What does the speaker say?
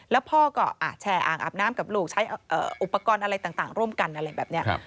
แล้วพ่อก็แช่อ่างอาบน้ำกับลูกใช้อุปกรณ์อะไรต่างร่วมกันอะไรแบบนี้